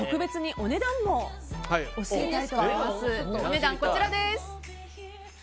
お値段こちらです。